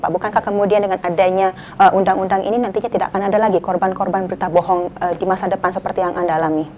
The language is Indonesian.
bukankah kemudian dengan adanya undang undang ini nantinya tidak akan ada lagi korban korban berita bohong di masa depan seperti yang anda alami